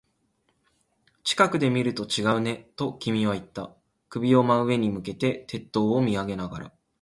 近くで見ると違うね、と君は言った。首を真上に向けて、鉄塔を見上げながら。